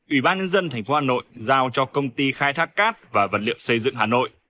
ủy ban nhân dân tp hà nội giao cho công ty khai thác cát và vật liệu xây dựng hà nội